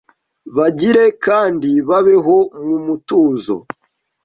bagire kandi babeho mu mutuzo.